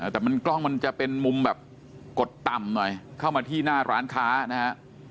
แต่มันกล้องมันจะเป็นมุมแบบกดต่ำหน่อยเข้ามาที่หน้าร้านค้านะฮะ